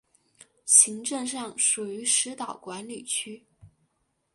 行政上属于石岛管理区。